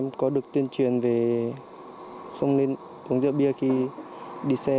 em có được tuyên truyền về không nên uống rượu bia khi đi xe